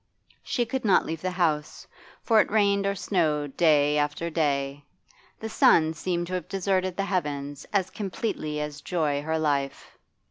She could not leave the house, for it rained or snowed day after day; the sun seemed to have deserted the heavens as completely as joy her life.